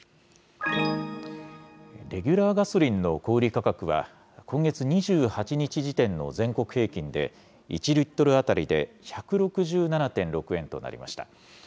レギュラーガソリンの小売り価格は、今月２８日時点の全国平均で、１リットル当たりで１６７．６円となりました。